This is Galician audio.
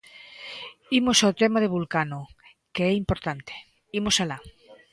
Imos ao tema de Vulcano, que é importante, imos alá.